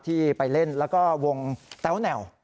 ที่ไปเล่นแล้วก็วงแต้วแนว